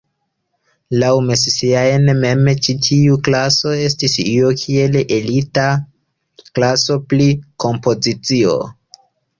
Laŭ Messiaen mem ĉi tiu klaso estis io kiel elita klaso pri kompozicio.